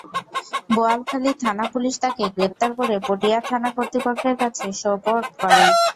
বোয়ালখালী থানা-পুলিশ তাঁকে গ্রেপ্তার করে পটিয়া থানা কর্তৃপক্ষের কাছে সোপর্দ করে।